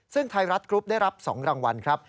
ซึ่งไทยรัฐกรุ๊ปได้รับ๒รางวัลครับ